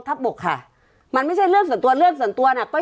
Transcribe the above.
บกค่ะมันไม่ใช่เรื่องส่วนตัวเรื่องส่วนตัวน่ะก็